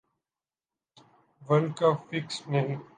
world cup fixed نہی